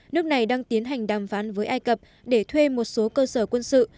nước này đang tiến hành đàm phán với ai cập để thuê một số cơ sở quân sự